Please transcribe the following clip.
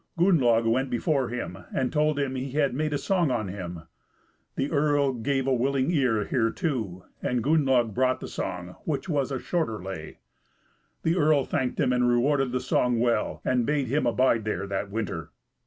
Gunnlaug went before him, and told him he had made a song on him; the earl gave a willing ear hereto, and Gunnlaug brought the song, which was a shorter lay. The earl thanked him, and rewarded the song well, and bade him abide there that winter.